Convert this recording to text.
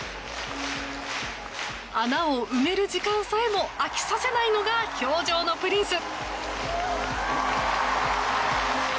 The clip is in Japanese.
穴を埋める時間さえも飽きさせないのが氷上のプリンス。